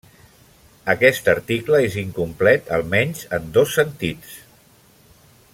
Aquest article és incomplet, almenys en dos sentits.